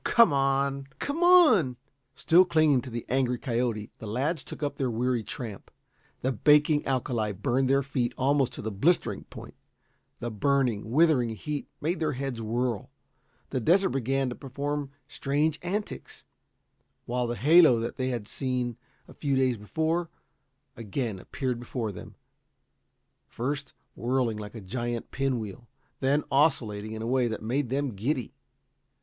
"Oh, come on! Come on!" Still clinging to the angry coyote, the lads took up their weary tramp. The baking alkali burned their feet almost to the blistering point; the burning, withering heat made their heads whirl; the desert began to perform strange antics, while the halo that they had seen a few days before again appeared before them, first whirling like a giant pin wheel, then oscillating in a way that made them giddy.